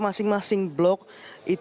masing masing blok itu memiliki kamar santri